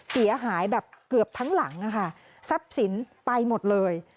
เสียหายแบบเกือบทั้งหลังนะคะทรัพย์สินไปหมดเลย